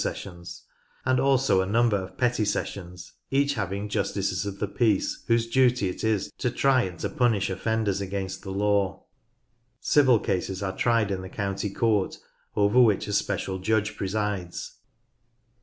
Sessions, and also a number of petty sessions, each having Justices of the Peace, whose duty it is to try and to punish offenders against the law. Civil cases are tried in the County Court, over which a special judge presides.